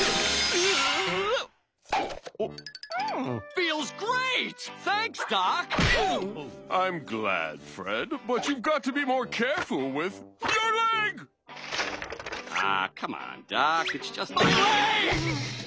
うわ！